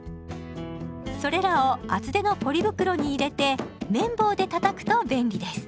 それらを厚手のポリ袋に入れてめん棒でたたくと便利です。